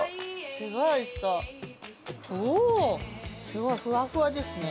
すごいふわふわですね。